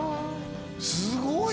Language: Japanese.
すごい！